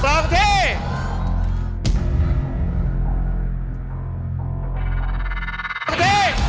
กล่องที่